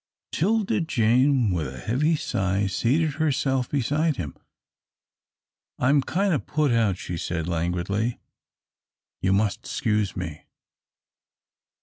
'Tilda Jane, with a heavy sigh, seated herself beside him. "I'm kind o' put out," she said, languidly, "you must s'cuse me."